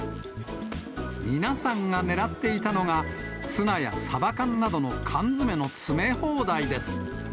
皆さんが狙っていたのが、ツナやサバ缶などの缶詰の詰め放題です。